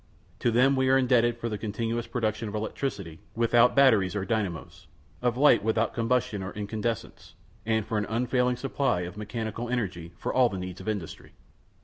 To them we are indebted for the continuous production of electricity without batteries or dynamos, of light without combustion or incandescence, and for an unfailing supply of mechanical energy for all the needs of industry.